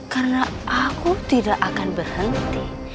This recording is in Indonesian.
karena aku tidak akan berhenti